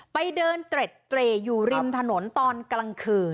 ไปเดินเตร็ดเตร่อยู่ริมถนนตอนกลางคืน